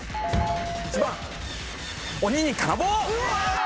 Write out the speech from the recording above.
１番鬼に金棒！